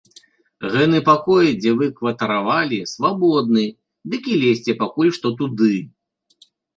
Гэны пакой, дзе вы кватаравалі, свабодны, дык і лезьце пакуль што туды.